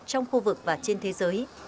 trong khu vực và trên thế giới